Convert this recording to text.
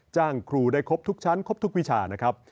จ้างครูได้ครบทุกชั้นครบทุกวิชานะครับ